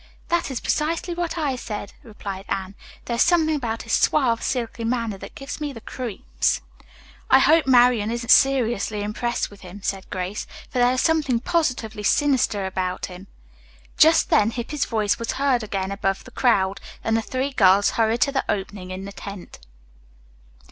"That is precisely what I said," replied Anne. "There is something about his suave, silky manner that gives me the creeps." "I hope Marian isn't seriously impressed with him," said Grace. "For there is something positively sinister about him." Just then Hippy's voice was heard again above the crowd, and the three girls hurried to the opening in the tent.